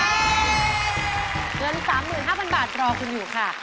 เงิน๓๕๐๐๐บาทต่อกันอยู่ค่ะ